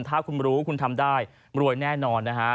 ถ้าคุณรู้คุณทำได้รวยแน่นอนนะฮะ